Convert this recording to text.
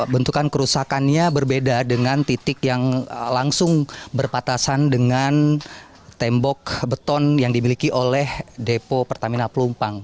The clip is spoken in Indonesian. bentukan kerusakannya berbeda dengan titik yang langsung berpatasan dengan tembok beton yang dimiliki oleh depo pertamina pelumpang